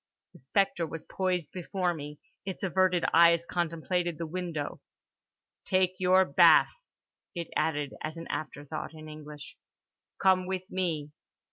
The spectre was poised before me; its averted eyes contemplated the window. "Take your bath," it added as an afterthought, in English—"Come with me."